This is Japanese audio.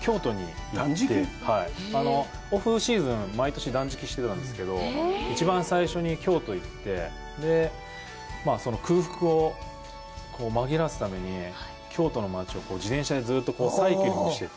オフシーズン、毎年、断食してたんですけど、一番最初に京都に行って、空腹を紛らわすために京都の町を自転車でずっとサイクリングしてて。